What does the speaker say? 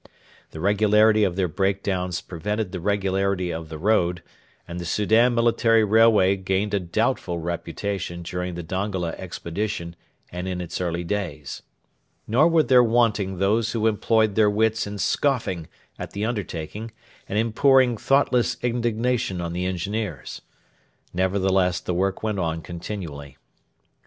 The regularity of their break downs prevented the regularity of the road, and the Soudan military railway gained a doubtful reputation during the Dongola expedition and in its early days. Nor were there wanting those who employed their wits in scoffing at the undertaking and in pouring thoughtless indignation on the engineers. Nevertheless the work went on continually.